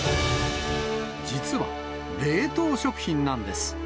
実は、冷凍食品なんです。